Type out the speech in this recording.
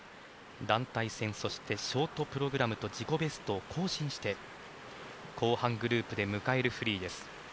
団体戦そしてショートプログラムと自己ベストを更新して後半グループで迎えるフリーです。